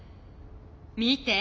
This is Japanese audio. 見て！